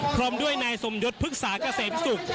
พร้อมด้วยนายสมยศภึกษากเศรษฐ์ศุกร์